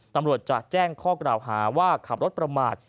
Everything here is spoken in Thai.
ตำรวจจะแจ้งข้อกล่าวหาว่าขับรถประมาท